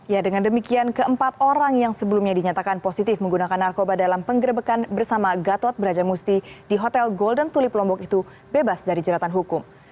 ya dengan demikian keempat orang yang sebelumnya dinyatakan positif menggunakan narkoba dalam penggerbekan bersama gatot brajamusti di hotel golden tulip lombok itu bebas dari jeratan hukum